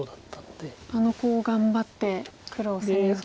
あのコウを頑張って黒を攻めようと。